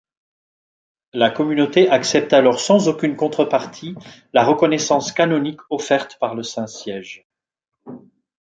La communauté accepte alors, sans aucune contrepartie, la reconnaissance canonique offerte par le Saint-Siège.